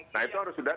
nah itu harus sudah